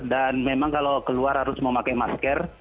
dan memang kalau keluar harus memakai masker